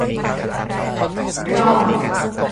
รอด